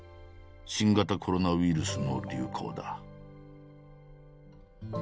新型コロナウイルスの流行だ。